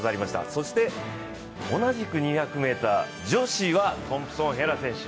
そして同じく２００ｍ、女子はトンプソン・ヘラ選手。